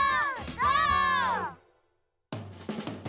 ゴー！